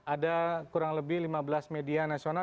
ada kurang lebih lima belas media nasional